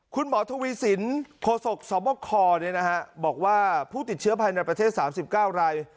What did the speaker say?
คุณหมอทวีสินโคศกสวบคบอกว่าผู้ติดเชื้อภายในประเทศ๓๙ราย